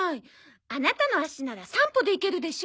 アナタの足なら３歩で行けるでしょ？